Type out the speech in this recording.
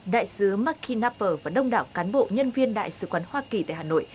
đại sứ mark knapper và đông đảo cán bộ nhân viên đại sứ quán hoa kỳ tại hà nội